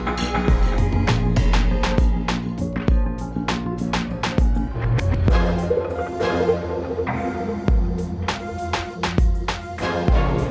ไอ้พี่เค้าเสียตัวตัวมึงน่ะ